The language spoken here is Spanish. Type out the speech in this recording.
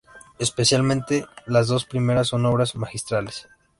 Especialmente las dos primeras son obras magistrales.